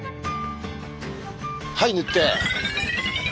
はい塗って！